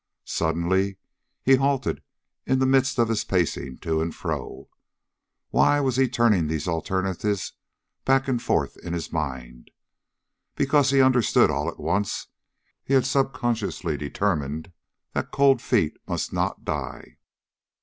Suddenly he halted in the midst of his pacing to and fro. Why was he turning these alternatives back and forth in his mind? Because, he understood all at once, he had subconsciously determined that Cold Feet must not die!